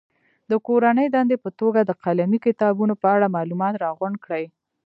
د کورنۍ دندې په توګه د قلمي کتابونو په اړه معلومات راغونډ کړي.